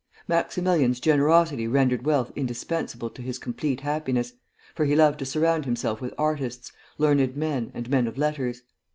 Maximilian's generosity rendered wealth indispensable to his complete happiness, for he loved to surround himself with artists, learned men, and men of letters.